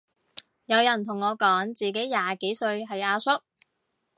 有人同我講自己廿幾歲係阿叔